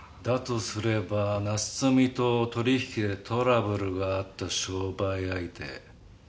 だとすればナツトミと取引でトラブルがあった商売相手。